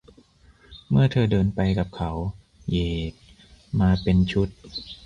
เมื่อเธอเดินไปกับเขา เหยด มาเป็นชุด